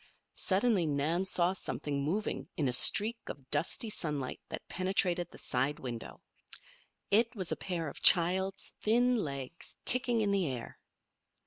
Suddenly Nan saw something moving in a streak of dusty sunlight that penetrated the side window. It was a pair of child's thin legs kicking in the air!